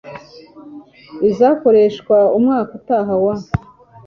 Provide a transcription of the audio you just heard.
izakoreshwa umwaka utaha wa